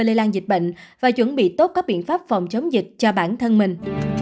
lây lan dịch bệnh và chuẩn bị tốt các biện pháp phòng chống dịch cho bản thân mình